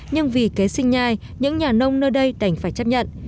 nhưng vì kế sinh nhai những nhà nông nơi đây đành phải chấp nhận